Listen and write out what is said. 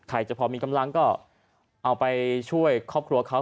จะพอมีกำลังก็เอาไปช่วยครอบครัวเขา